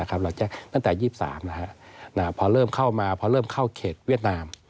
เราแจ้งตั้งแต่๒๓พอเริ่มเข้ามาพอเริ่มเข้าเขตเวียดนาม